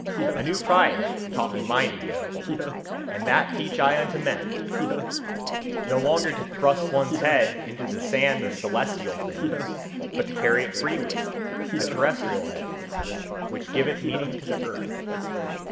A new pride taught me mine ego, and that teach I unto men: no longer to thrust one's head into the sand of celestial things, but to carry it freely, a terrestrial head, which giveth meaning to the earth!